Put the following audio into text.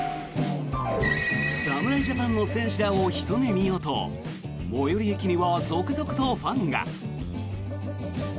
侍ジャパンの選手らをひと目見ようと最寄り駅には続々とファンが。